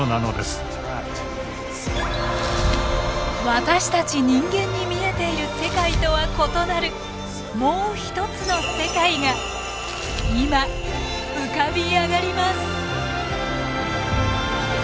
私たち人間に見えている世界とは異なるもうひとつの世界が今浮かび上がります。